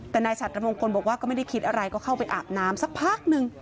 แต่นายสัตมงคลบอกว่าก็ไม่ได้คิดอะไรก็เข้าไปอาบน้ำสักพักนึง